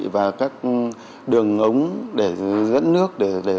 và các đường ống để dẫn nước